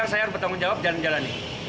saya harus bertanggung jawab dan menjalani